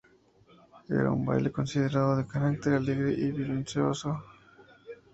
Era un baile considerado de carácter alegre y bullicioso.